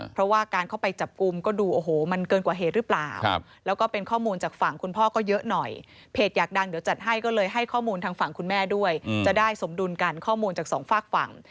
เพราะว่าการเข้าไปจับกลุ่มก็ดูโอ้โหมันเกินกว่าเหตุหรือเปล่าแล้วก็เป็นข้อมูลจากฝั่งคุณพ่อก็เยอะหน่อยเพจอยากดังเดี๋ยวจัดให้ก็เลยให้ข้อมูลทางฝั่งคุณแม่ด้วยจะได้สมดุลกันข้อมูลจากสองฝากฝั่ง